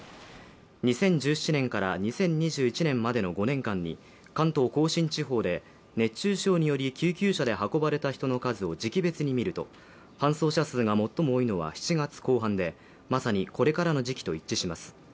２０１７年から２０２１年までの５年間に関東甲信地方で熱中症により救急車で運ばれた人を時期別に見ると、搬送者数が最も多いのは７月後半でまさにこれからの時期と一致します。